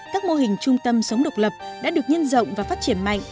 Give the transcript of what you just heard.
các mô hình trung tâm sống độc lập đã được nhân rộng và phát triển mạnh